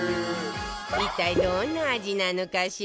一体どんな味なのかしら？